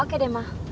oke deh ma